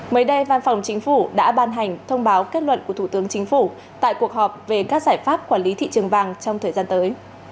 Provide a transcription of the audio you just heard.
mới đây văn phòng chính phủ đã ban hành thông báo kết luận của thủ tướng chính phủ tại cuộc họp về các giải pháp quản lý thị trường vàng trong thời gian tới